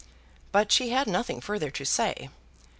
But she had nothing further to say.